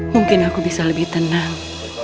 mungkin aku bisa lebih tenang